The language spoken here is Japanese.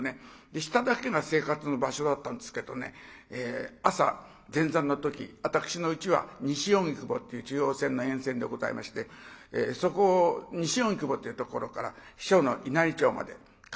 で下だけが生活の場所だったんですけどね朝前座の時私のうちは西荻窪っていう中央線の沿線でございましてそこ西荻窪っていうところから師匠の稲荷町まで通っておりました。